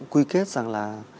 quy kết rằng là